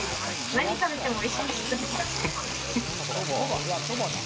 何食べてもおいしいです。